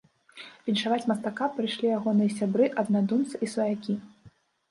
Віншаваць мастака прыйшлі ягоныя сябры, аднадумцы і сваякі.